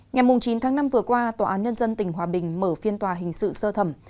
ngày chín tháng năm vừa qua tòa án nhân dân tỉnh hòa bình mở phiên tòa hình sự sơ thẩm